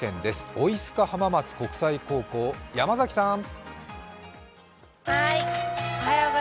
オイスカ浜松国際高校、山崎さん！